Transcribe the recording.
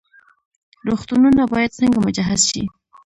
روغتونونه باید څنګه مجهز شي؟